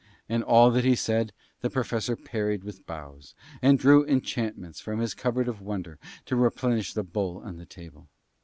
And all that he said the Professor parried with bows, and drew enchantments from his cupboard of wonder to replenish the bowl on the table.